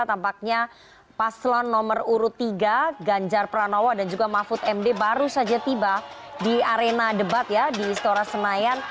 tampaknya paslon nomor urut tiga ganjar pranowo dan juga mahfud md baru saja tiba di arena debat ya di istora senayan